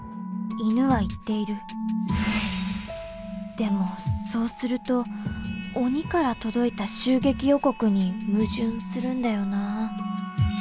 でもそうすると鬼から届いた襲撃予告に矛盾するんだよなあ。